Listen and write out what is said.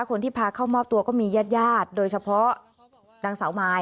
คนที่พาเข้ามอบตัวก็มีญาติญาติโดยเฉพาะนางสาวมาย